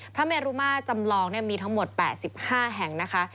พระเมรุมาจำลองมีทั้งหมด๘๕แห่งนะคะ